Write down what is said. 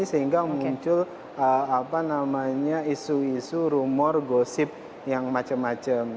sehingga muncul isu isu rumor gosip yang macam macam